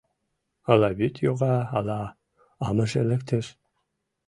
Ала вӱд йога, ала амыже лектеш.